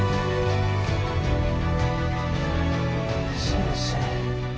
先生？